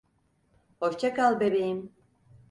Hoşça kal bebeğim.